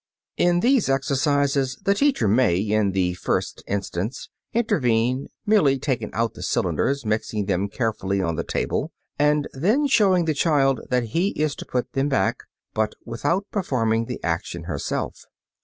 In these exercises the teacher may, in the first instance, intervene, merely taking out the cylinders, mixing them carefully on the table and then showing the child that he is to put them back, but without performing the action herself.